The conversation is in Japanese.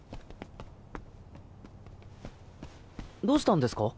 どうしたんですか？